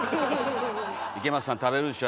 池松さん食べるでしょ？